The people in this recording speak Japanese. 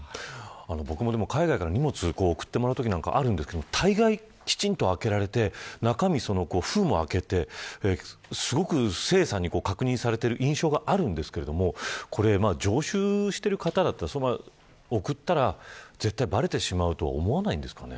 僕も海外から荷物送ってもらっときがあるんですけど大概、きちんと開けられて中身、封も開けてすごく精査に確認されている印象があるんですけど常習している方だったら送ったら絶対ばれてしまうと思わないんですかね。